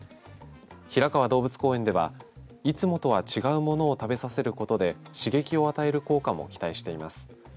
平川動物公園ではいつもとは違うものを食べさせることで刺激を与える効果も期待しています。